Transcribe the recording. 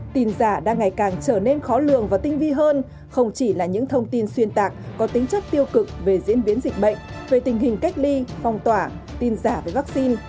tin giả đang ngày càng trở nên khó lường và tinh vi hơn không chỉ là những thông tin xuyên tạc có tính chất tiêu cực về diễn biến dịch bệnh về tình hình cách ly phong tỏa tin giả về vaccine